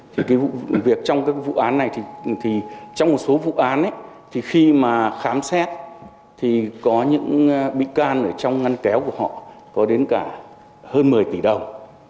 thì cái vụ làm việc trong các vụ án này thì trong một số vụ án thì khi mà khám xét thì có những bị can ở trong ngăn kéo của họ có đến cả hơn một mươi tỷ đồng